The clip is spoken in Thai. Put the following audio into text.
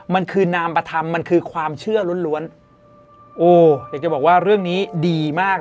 มันคือนามประธรรมมันคือความเชื่อล้วนล้วนโอ้อยากจะบอกว่าเรื่องนี้ดีมาก